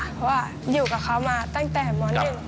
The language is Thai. เพราะว่าอยู่กับเขามาตั้งแต่ม๑